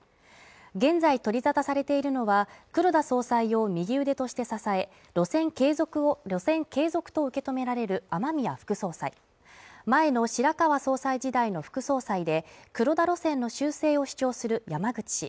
現在取りざたされているのは黒田総裁を右腕として支え路線継続と受け止められる雨宮副総裁前の白川総裁時代の副総裁で黒田路線の修正を主張する山口氏